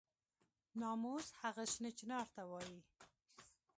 ناموس هغه شنه چنار ته وایي.